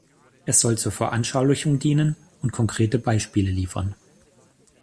Es soll zur Veranschaulichung dienen und konkrete Beispiele liefern.